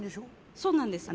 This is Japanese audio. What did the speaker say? そうなんです。